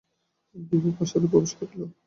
বিভা প্রাসাদে প্রবেশ করিল।